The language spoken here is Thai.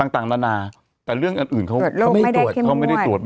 ต่างนานาแต่เรื่องอันอื่นเขาไม่ได้ตรวจ